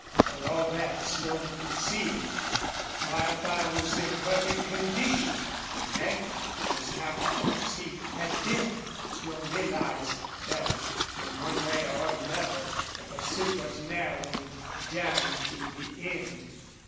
For all that Slone could see, Wildfire was in perfect condition. But Nagger was not the horse he had been. Slone realized that in one way or another the pursuit was narrowing down to the end.